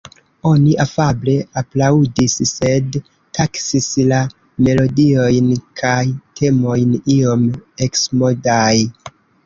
Oni afable aplaŭdis, sed taksis la melodiojn kaj temojn iom eksmodaj.